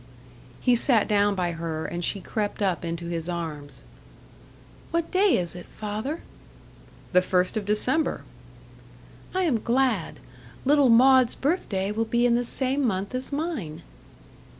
He sat down by her, and she crept up into his arms. "What day is it, father?" "The first of December." "I am glad. Little Maud's birthday will be in the same month as mine."